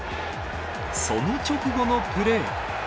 その直後のプレー。